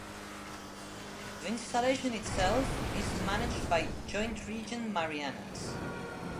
The installation itself is managed by Joint Region Marianas.